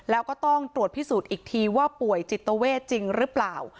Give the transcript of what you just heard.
แล้วก็ต้องตรวจพิสูจน์อีกทีว่าป่วยจิตเวทจริงหรือเปล่า